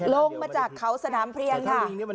ลงมาจากเขาสนามเพลียงค่ะ